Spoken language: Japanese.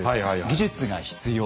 技術が必要。